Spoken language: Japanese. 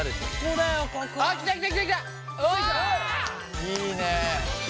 いいね。